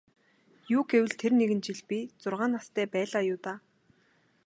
Юу гэвэл тэр нэгэн жил би зургаан настай байлаа юу даа.